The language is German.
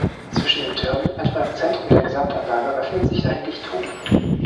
Zwischen den Türmen, etwa im Zentrum der Gesamtanlage, öffnet sich ein Lichthof.